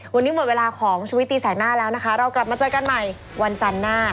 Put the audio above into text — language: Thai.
วันนี้หมดเวลาของชุวิตตีแสกหน้าแล้วนะคะเรากลับมาเจอกันใหม่วันจันทร์หน้า